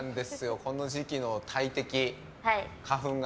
この時期の大敵、花粉が。